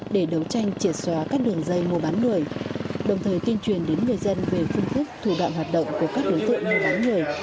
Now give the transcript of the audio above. để đấu tranh triệt xóa các đường dây mua bán người đồng thời tuyên truyền đến người dân về phương thức thủ đoạn hoạt động của các đối tượng mua bán người